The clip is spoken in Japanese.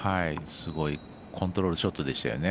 すごいコントロールショットでしたよね。